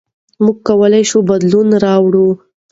موږ کولای شو بدلون راوړو.